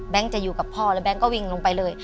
แบงค์จะอยู่กับพ่อแล้วแบงค์ก็วิ่งลงไปเลย